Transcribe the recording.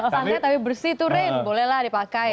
santai tapi bersih tuh ren boleh lah dipakai